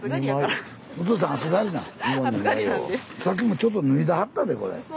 さっきもちょっと脱いではったでこれ。